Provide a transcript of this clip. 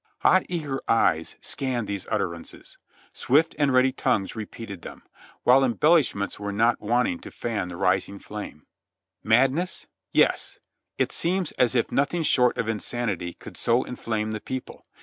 Hot, eager eyes scanned these utterances ; swift and ready tongues repeated them, while embellishments were not wanting to fan the rising flame. Madness? Yes! It seems as if nothing short of insanity could so inflame the people.